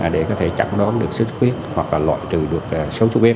để có thể chẳng đón được sốt xuất huyết hoặc là loại trừ được sốt xuất huyết